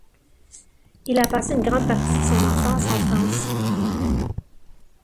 Il a passé une grande partie de son enfance en France.